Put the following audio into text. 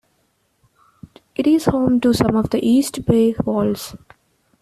It is home to some of the East Bay Walls.